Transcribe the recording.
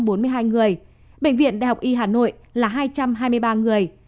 bệnh viện bệnh viện đại học y hà nội là hai trăm hai mươi ba người